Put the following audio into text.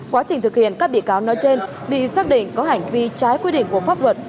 quá trình thực hiện các bị cáo nói trên bị xác định có hành vi trái quy định của pháp luật